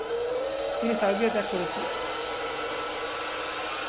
তিনি সার্বিয়া ত্যাগ করেছিলেন।